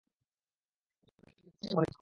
এমনকি আমরা দ্বিতীয় আকাশে এসে উপনীত হই।